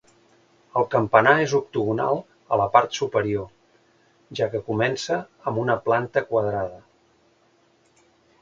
El campanar és octogonal a la part superior, ja que comença amb una planta quadrada.